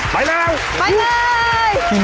สวัสดีครับ